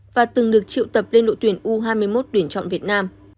và từng được triệu tập lên đội tuyển u hai mươi một tuyển chọn việt nam